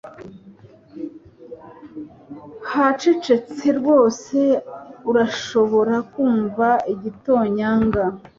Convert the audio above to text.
Hacecetse rwose Urashobora kumva igitonyanga